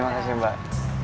terima kasih mbak